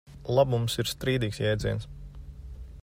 Labums ir strīdīgs jēdziens.